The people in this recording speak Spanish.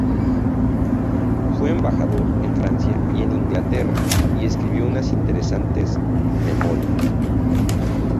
Fue embajador en Francia y en Inglaterra y escribió unas interesantes "Memorias".